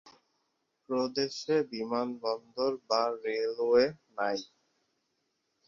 প্রদেশে বিমানবন্দর বা রেলওয়ে নেই।